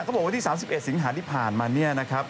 ก็บอกว่าที่๓๑สิงหาฯที่ผ่านมาเนี่ยนะครับ